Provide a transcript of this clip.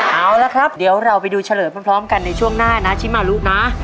เอาละครับเดี๋ยวเราไปดูเฉลยพร้อมกันในช่วงหน้านะชิมารุนะ